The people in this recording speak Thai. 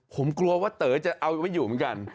ผมกลัวว่าเต๋อจะเอาไว้อยู่เหมือนกัน